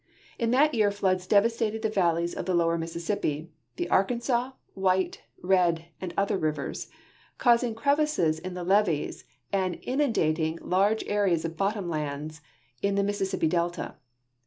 In that year floods devastated the valleys of the lower Mississip])i, the Arkansas, White, Peil, and other rivers, causing crevasses in the levees and inundating 306 WEATHER BEREAU RIVER AND FLOOD SYSTEM large areas of bottom lands in the ^Mississippi delta.